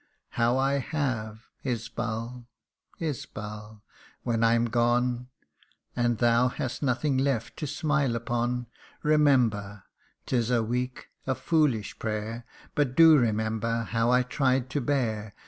How I have Isbal Isbal when I'm gone, And thou hast nothing left to smile upon ; Remember 'tis a weak, a foolish prayer But do remember how I tried to bear CANTO II.